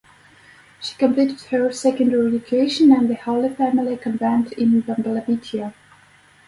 She completed her secondary education at the Holy Family Convent in Bambalapitiya.